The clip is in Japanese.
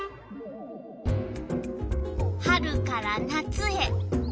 春から夏へ。